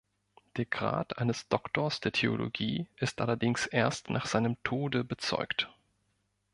Der Grad eines Doktors der Theologie ist allerdings erst nach seinem Tode bezeugt.